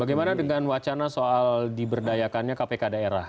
bagaimana dengan wacana soal diberdayakannya kpk daerah